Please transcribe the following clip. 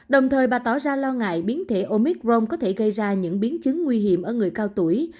đồng thời bà tỏ ra lo ngại biến thể omic rong có thể gây ra những biến chứng nguy hiểm ở người cao tuổi